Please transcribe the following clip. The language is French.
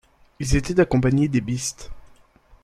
Ils étaient accompagnés des Beast.